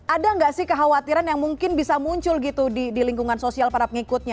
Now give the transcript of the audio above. ada nggak sih kekhawatiran yang mungkin bisa muncul gitu di lingkungan sosial para pengikutnya